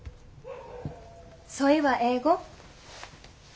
そいは英語？